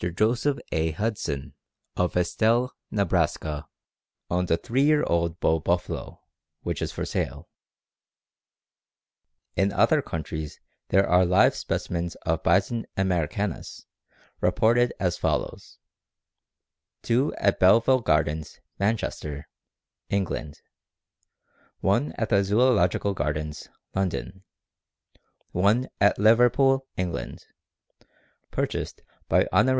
Joseph A. Hudson, of Estell, Nebraska_, owns a three year old bull buffalo, which is for sale. In other countries there are live specimens of Bison americanus reported as follows: two at Belleview Gardens, Manchester, England; one at the Zoological Gardens, London; one at Liverpool, England (purchased of Hon. W.